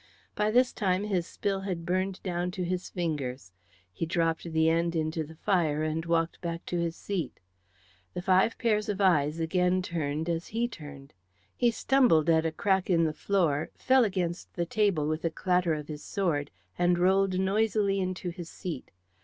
By this time his spill had burned down to his fingers. He dropped the end into the fire and walked back to his seat. The five pairs of eyes again turned as he turned. He stumbled at a crack in the floor, fell against the table with a clatter of his sword, and rolled noisily into his seat.